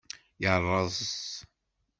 Yeṛṛeẓ.